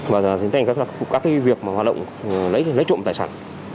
và thực hiện các việc mà hoạt động lấy trộm tài sản